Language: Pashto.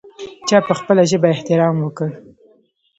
چا په خپله ژبه احترام وکړ.